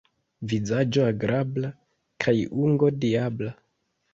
Vizaĝo agrabla kaj ungo diabla.